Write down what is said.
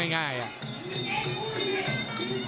กินง่ายอ่ะ